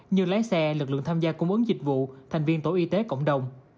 như lái xe lực lượng tham gia cung ứng dịch vụ thành viên tổ y tế cộng đồng